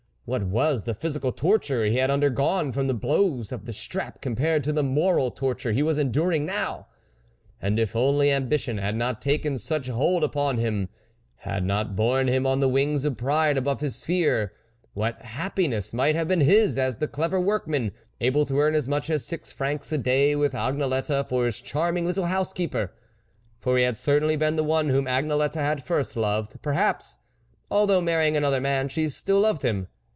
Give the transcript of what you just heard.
What was the phy sical torture he had undergone from the blows of the strap compared to the moral torture he was enduring now ! And if only ambition had not taken such hold upon him, had not borne him on the wings of pride above his sphere, what happiness might have been his, as the clever workman, able to earn as much as six francs a day, with Agnelette for his charming little housekeeper ! For he had certainly been the one whom Agnelette had first loved ; perhaps, although marry ing another man, she still loved him.